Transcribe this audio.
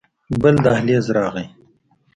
بل دهليز راغى.